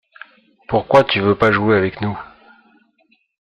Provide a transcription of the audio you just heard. Pourquoi tu veux pas jouer avec nous?